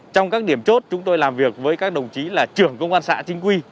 trong các điểm chốt chúng tôi làm việc với các đồng chí là trưởng công an xã chính quy